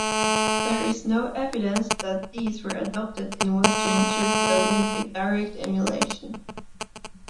There is no evidence that these were adopted in Western shipbuilding by direct emulation.